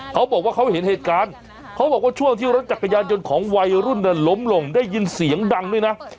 เขาบอกว่าเขาเห็นเหตุการณ์เขาบอกว่าช่วงที่รถจักรยานยนต์ของวัยรุ่นล้มลงได้ยินเสียงดังด้วยนะ